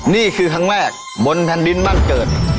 นี่คือครั้งแรกบนแผ่นดินบ้านเกิด